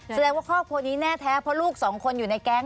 แสดงว่าครอบครัวนี้แน่แท้เพราะลูกสองคนอยู่ในแก๊ง